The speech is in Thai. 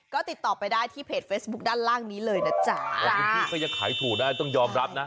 ก็ติดต่อไปได้ที่เพจเฟซบุ๊คด้านล่างนี้เลยนะจ๊ะหลายพื้นที่ก็ยังขายถูกได้ต้องยอมรับนะ